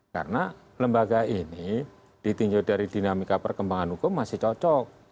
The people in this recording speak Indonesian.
karena lembaga ini ditinggalkan dari dinamika perkembangan hukum masih cocok